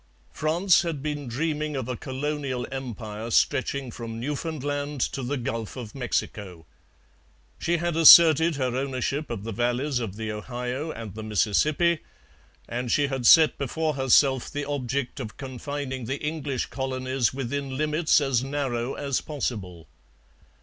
France had been dreaming of a colonial empire stretching from Newfoundland to the Gulf of Mexico. She had asserted her ownership of the valleys of the Ohio and the Mississippi; and she had set before herself the object of confining the English colonies within limits as narrow as possible.